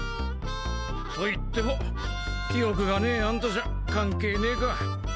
といっても記憶がねぇあんたじゃ関係ねぇか。